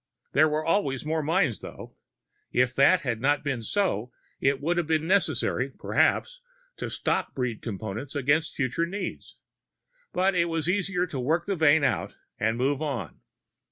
There were always more mines, though. If that had not been so, it would have been necessary, perhaps, to stock breed Components against future needs. But it was easier to work the vein out and move on.